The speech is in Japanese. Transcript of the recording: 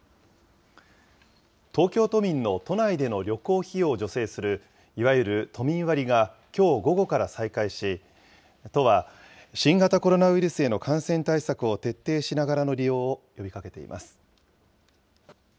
東京都民の都内での旅行費用を助成するいわゆる都民割が、きょう午後から再開し、都は、新型コロナウイルスへの感染対策を徹底しながらの利用を呼びかけています。